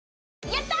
やった！